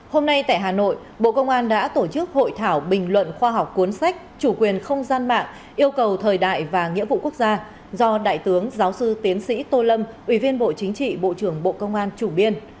hôm nay tại hà nội bộ công an đã tổ chức hội thảo bình luận khoa học cuốn sách chủ quyền không gian mạng yêu cầu thời đại và nghĩa vụ quốc gia do đại tướng giáo sư tiến sĩ tô lâm ủy viên bộ chính trị bộ trưởng bộ công an chủ biên